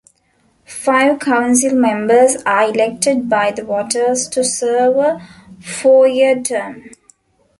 Five Councilmembers are elected by the voters to serve a four-year term.